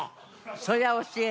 そりゃ教える。